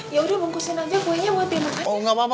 yaudah bungkusin aja kuenya buat dia makan